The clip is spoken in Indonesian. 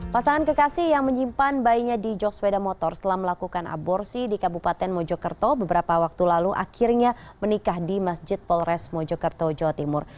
pasangan kekasih yang menyimpan bayinya di jog sepeda motor setelah melakukan aborsi di kabupaten mojokerto beberapa waktu lalu akhirnya menikah di masjid polres mojokerto jawa timur